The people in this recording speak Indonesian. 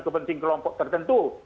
kepenting kelompok tertentu